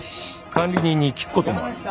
管理人に聞く事もある。